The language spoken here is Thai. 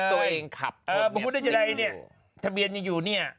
ไอ้บางรู้ได้จ๋าใดเนี่ยทะเบียนอยู่อยุ่เนี่ย